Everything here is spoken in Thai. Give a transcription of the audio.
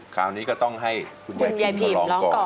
คราวนี้ก็ต้องให้คุณยายพิมล้องก่อนคุณยายพิมล้องก่อน